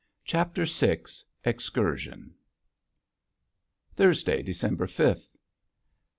CHAPTER VI EXCURSION Thursday, December fifth.